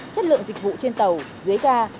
chất lượng dịch vụ trên tàu dưới ga